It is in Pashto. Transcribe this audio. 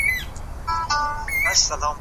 خپلو ميرمنو ته طيبي ويناوي څه ګټه لري؟